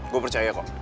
gue percaya kok